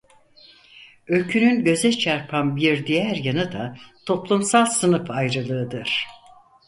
Öykünün göze çarpan bir diğer yanı da toplumsal sınıf ayrılığıdır.